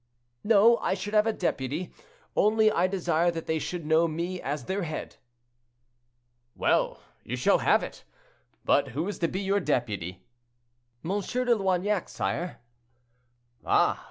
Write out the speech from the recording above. "No; I should have a deputy; only I desire that they should know me as their head." "Well, you shall have it. But who is to be your deputy?" "M. de Loignac, sire." "Ah!